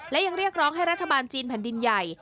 และยังเรียกร้องให้รัฐบาลจีนแผ่นดินใหญ่